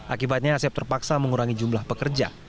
akibatnya asep terpaksa mengurangi jumlah pekerja